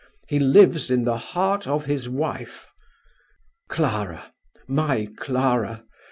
He lives in the heart of his wife. Clara! my Clara!